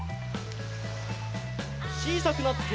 ちいさくなって。